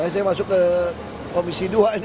saya masuk ke komisi dua